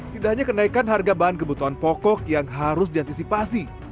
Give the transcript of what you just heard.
tidak hanya kenaikan harga bahan kebutuhan pokok yang harus diantisipasi